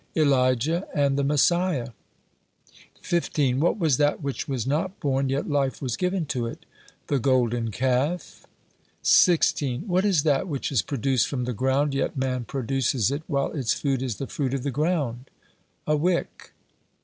"Elijah and the Messiah." 15. "What was that which was not born, yet life was given to it?" "The golden calf." 16. "What is that which is produced from the ground, yet man produces it, while its food is the fruit of the ground?" "A wick."